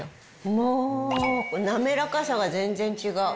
もう、滑らかさが全然違う。